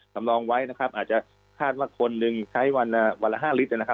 สำรองไว้นะครับอาจจะคาดว่าคนหนึ่งใช้วันละ๕ลิตร